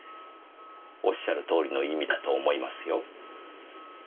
おっしゃるとおりの意味だと思いますよ。